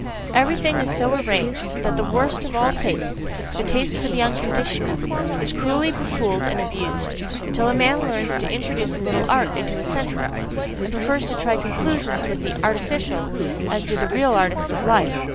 Everything is so arranged that the worst of all tastes, THE TASTE FOR THE UNCONDITIONAL, is cruelly befooled and abused, until a man learns to introduce a little art into his sentiments, and prefers to try conclusions with the artificial, as do the real artists of life.